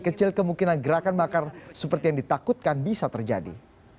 kecil kemungkinan gerakan makar seperti yang ditakutkan bisa terjadi